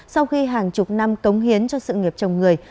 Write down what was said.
sau khi hàng chục năm cống hiến cho sự nghiệp chồng người